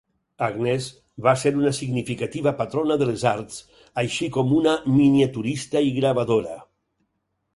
Agnès va ser una significativa patrona de les arts, així com una miniaturista i gravadora.